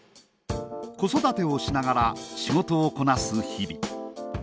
子育てをしながら仕事をこなす日々。